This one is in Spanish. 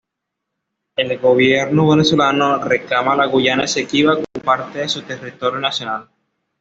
El gobierno venezolano reclama la Guayana Esequiba como parte de su territorio nacional.